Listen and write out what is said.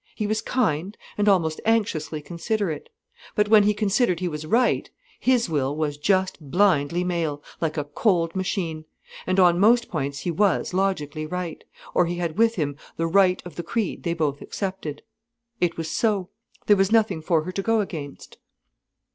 He was kind, and almost anxiously considerate. But when he considered he was right, his will was just blindly male, like a cold machine. And on most points he was logically right, or he had with him the right of the creed they both accepted. It was so. There was nothing for her to go against.